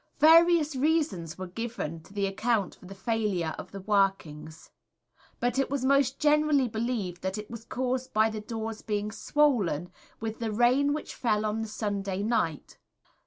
Various reasons were given to account for the failure of the workings, but it was most generally believed that it was caused by the doors being swollen with the rain which fell on the Sunday night.